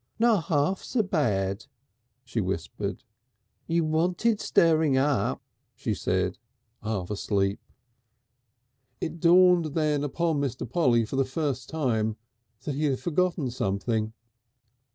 "Not half so bad," she whispered.... "You wanted stirring up," she said, half asleep.... It dawned upon Mr. Polly for the first time that he had forgotten something.